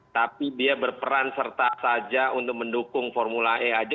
tapi dia berperan serta saja untuk mendukung formula e aja